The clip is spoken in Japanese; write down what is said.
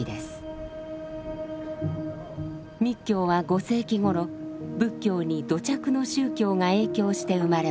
密教は５世紀頃仏教に土着の宗教が影響して生まれました。